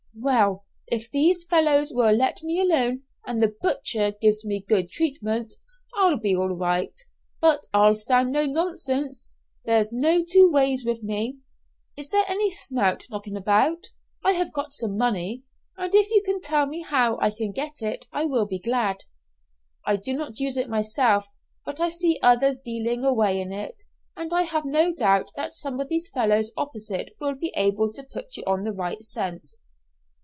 "Well, if these fellows will let me alone, and the 'butcher' gives me good treatment, I'll be all right; but I'll stand no nonsense there's no two ways with me. Is there any 'snout' knocking about? I have got some money, and if you can tell me how I can get it I will be glad." "I do not use it myself, but I see others dealing away in it, and I have no doubt that some of these fellows opposite will be able to put you on the right scent."